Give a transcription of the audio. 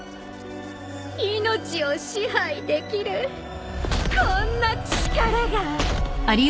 命を支配できるこんな力が！